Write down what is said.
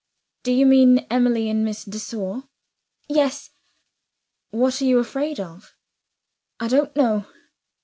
"Do you mean Emily and Miss de Sor? "Yes." "What are you afraid of?" "I don't know."